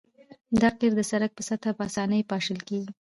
دا قیر د سرک په سطحه په اسانۍ پاشل کیږي